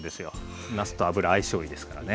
なすと油相性いいですからね。